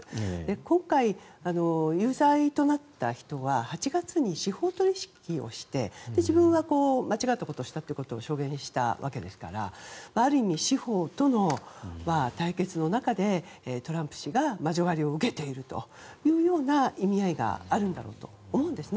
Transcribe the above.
今回、有罪となった人は８月に司法取引をして自分は間違ったことをしたということを証言したわけですからある意味、司法との対決の中でトランプ氏が魔女狩りを受けているというような意味合いがあるんだろうと思うんですね。